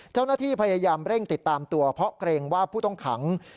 เจ้าหน้าที่พยายามเร่งติดตามตัวเพราะเกรงว่าผู้ต้องขัง